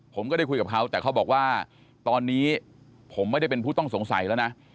ผมก็ได้คุยกับเขาแต่เขาบอกว่าตอนนี้ผมไม่ได้เป็นผู้ต้องสงสัยแล้วนะ